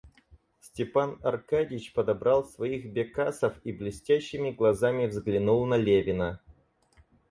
Степан Аркадьич подобрал своих бекасов и блестящими глазами взглянул на Левина.